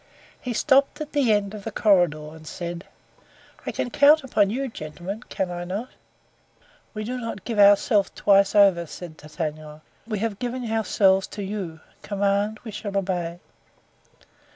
He stopped at the end of the corridor and said: "I can count upon you, gentlemen, can I not?" "We do not give ourselves twice over," said D'Artagnan; "we have given ourselves to you; command, we shall obey."